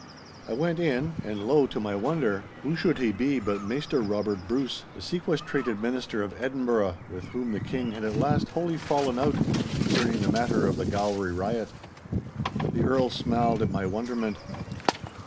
I went in, and lo! to my wonder, who should he be but Maister Robert Bruce, the sequestrated minister of Edinburgh, with whom the King had at last wholly fallen out concerning the matter of the Gowrie riot. The Earl smiled at my wonderment.